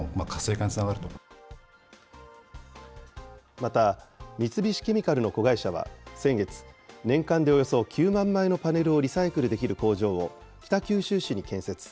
また三菱ケミカルの子会社は、先月、年間でおよそ９万枚のパネルをリサイクルできる工場を北九州市に建設。